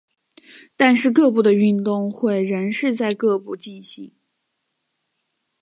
但是各部的运动会仍是在各部进行。